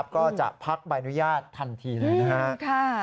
ก็จะพักใบอนุญาตทันทีเลยนะครับ